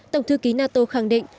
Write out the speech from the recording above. tổng thư ký nato khẳng định